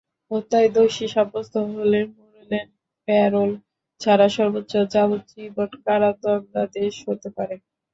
হত্যায় দোষী সাব্যস্ত হলে মোরেলের প্যারোল ছাড়া সর্বোচ্চ যাবজ্জীবন কারাদণ্ডাদেশ হতে পারে।